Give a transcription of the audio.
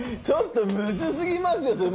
ちょっとむずすぎますよ！